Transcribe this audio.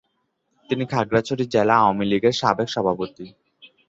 তিনি খাগড়াছড়ি জেলা আওয়ামী লীগের সাবেক সভাপতি।